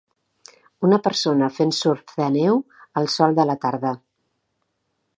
Una persona fent surf de neu al sol de la tarda.